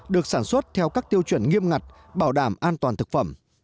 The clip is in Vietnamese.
được sản xuất theo các tiêu chuẩn nghiêm ngặt bảo đảm an toàn thực phẩm